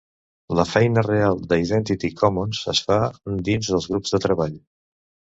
La feina real d'Identity Commons es fa dins els grups de treball.